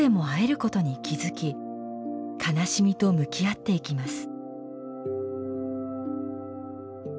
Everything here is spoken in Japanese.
悲しみと向き合っていきます。